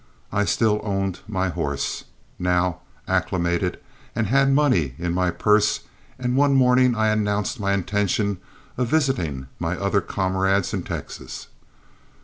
I still owned my horse, now acclimated, and had money in my purse, and one morning I announced my intention of visiting my other comrades in Texas.